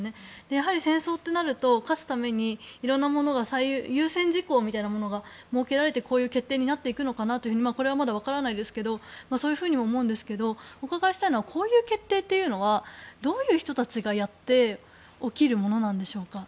やはり戦争となると勝つためにいろんなものが優先事項みたいなものが設けられて、こういう決定になっていくのかなとこれはまだ分からないですけどそういうふうにも思うんですけどお伺いしたいのはこういう決定というのはどういう人たちがやって起きるものなんでしょうか。